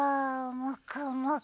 もくもく。